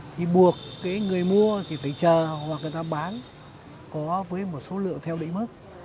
thì buộc người mua phải chờ hoặc người ta bán có với một số lượng theo lĩnh mức